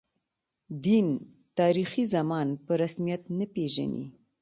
دین، تاریخي زمان په رسمیت نه پېژني.